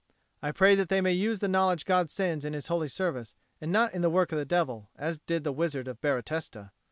I pray that they may use the knowledge God sends in His holy service, and not in the work of the devil, as did the Wizard of Baratesta.